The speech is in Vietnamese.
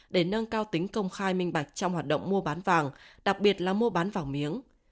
để nâng cao tính công khai minh bạch trong hoạt động mua bán vàng đặc biệt là mua bán vàng miếng